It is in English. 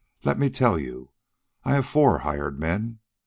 Let me tell you. I have four hired men.